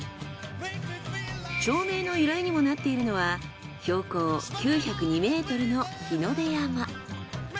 町名の由来にもなっているのは標高９０２ｍの日の出山。